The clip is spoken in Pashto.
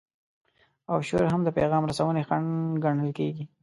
او شور هم د پیغام رسونې خنډ ګڼل کیږي.